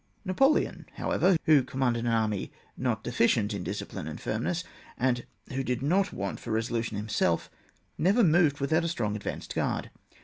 Napoleon, however, who commanded an army not deficient in discipline and firmness, and who did not want for re solution himself, never moved without a strong advanced guard.